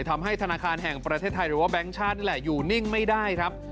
ทำให้ธนาคารแห่งประเทศไทยหรือว่าแบงค์ชาตินี่แหละอยู่นิ่งไม่ได้ครับ